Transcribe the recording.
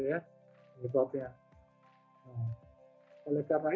penyebabnya adalah virus yang menyebabkan penyebabnya